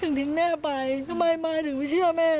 ถึงทิ้งแม่ไปทำไมมายถึงไม่เชื่อแม่